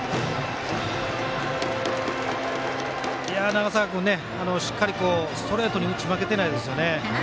長澤君、しっかりストレートに打ち負けてないですよね。